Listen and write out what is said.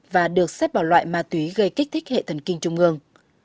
và được xét bảo loại ma tuy gây kích thích hệ thần kinh trung ương